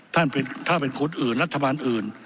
ถ้าเป็นคนอื่นรัฐบาลอื่น